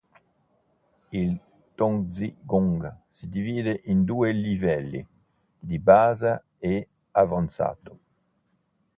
Il Tong-zi-gong si divide in due livelli: di base e avanzato.